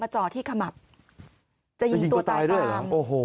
มาจ่อที่ขมับจะยิงตัวตายตาม